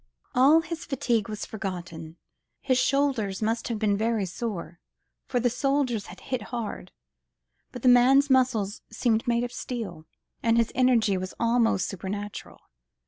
All his fatigue was forgotten; his shoulders must have been very sore, for the soldiers had hit hard, but the man's muscles seemed made of steel, and his energy was almost supernatural.